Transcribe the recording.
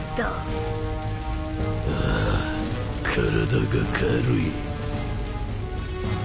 ああ体が軽い。